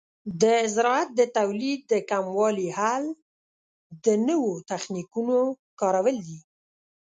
د زراعت د تولید د کموالي حل د نوو تخنیکونو کارول دي.